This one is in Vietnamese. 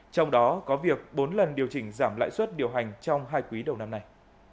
trong đó có việc bốn lần điều chỉnh giảm lãi suất điều hành trong hai quý đầu năm này